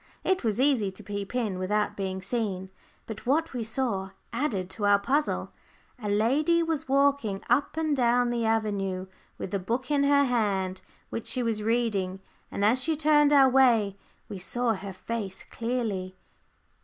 It was easy to peep in without being seen, but what we saw added to our puzzle. A lady was walking up and down the avenue with a book in her hand which she was reading, and as she turned our way, we saw her face clearly.